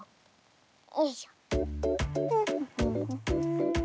よいしょ。